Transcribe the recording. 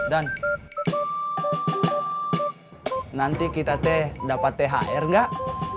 dan nanti kita te dapat thr gak